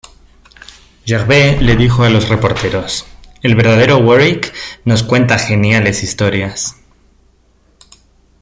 Gervais les dijo a los reporteros: "El verdadero Warwick nos cuenta geniales historias.